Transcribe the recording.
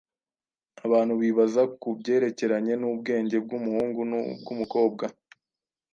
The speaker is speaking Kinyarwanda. abantu bibaza ku byerekeranye n’ubwenge bw’umuhungu n’ubw’umukobwa.